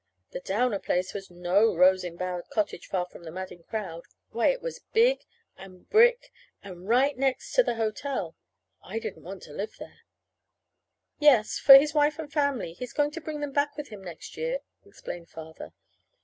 (The Downer place was no rose embowered cottage far from the madding crowd! Why, it was big, and brick, and right next to the hotel! I didn't want to live there.) "Yes for his wife and family. He's going to bring them back with him next year," explained Father.